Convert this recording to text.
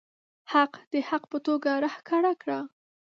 حق د حق په توګه راښکاره کړه.